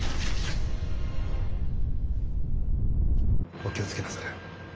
お気を付けなされ。